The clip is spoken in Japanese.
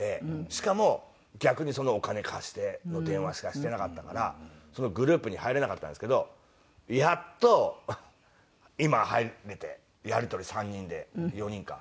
しかも逆にお金貸しての電話しかしてなかったからそのグループに入れなかったんですけどやっと今入れてやり取り３人で４人か。